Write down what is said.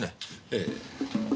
ええ。